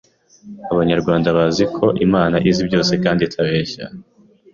Abanyarwanda bazi ko Imana izi byose kandi itabeshya